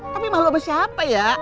tapi malu sama siapa ya